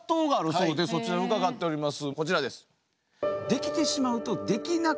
こちらです。